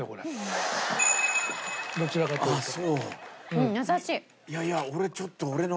うん優しい。